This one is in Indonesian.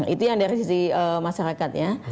itu yang dari sisi masyarakat ya